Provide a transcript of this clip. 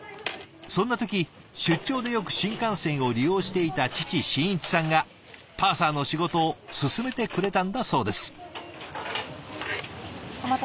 そんな時出張でよく新幹線を利用していた父真一さんがパーサーの仕事を勧めてくれたんだそうです。